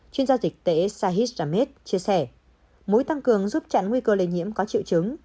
chuyên gia dịch tễ shahid ramit chia sẻ mũi tăng cường giúp chặn nguy cơ lây nhiễm có triệu chứng